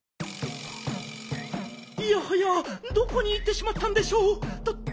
いやはやどこにいってしまったんでしょう？と